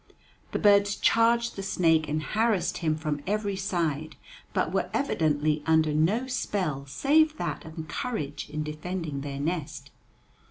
The birds charged the snake and harassed him from every side, but were evidently under no spell save that of courage in defending their nest.